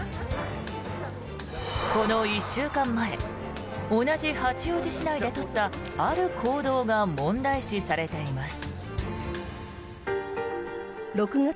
この１週間前同じ八王子市内で取ったある行動が問題視されています。